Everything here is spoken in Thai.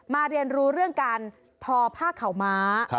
เรียนรู้เรื่องการทอผ้าข่าวม้า